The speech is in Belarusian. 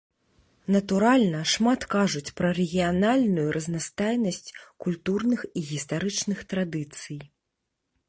Натуральна, шмат кажуць пра рэгіянальную разнастайнасць культурных і гістарычных традыцый.